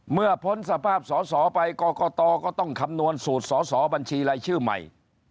พ้นสภาพสอสอไปกรกตก็ต้องคำนวณสูตรสอสอบัญชีรายชื่อใหม่